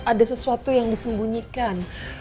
ada sesuatu yang disembunyikan